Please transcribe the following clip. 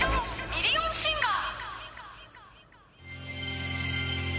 ミリオンシンガー』